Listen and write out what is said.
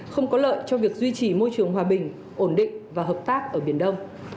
không có lợi cho việc duy trì môi trường hòa bình ổn định và hợp tác ở biển đông